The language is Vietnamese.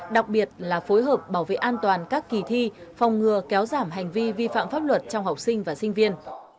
đặc biệt là phối hợp bảo vệ an toàn các kỳ thi phòng ngừa kéo giảm hành vi vi phạm pháp luật trong học sinh và sinh viên